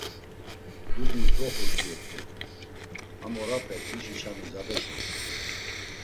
Dudi ut̆roxurt̆u yekte, ham orape tişi ç̌ami zade şumt̆u.